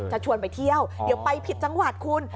ชวนไปเที่ยวเดี๋ยวไปผิดจังหวัดคุณ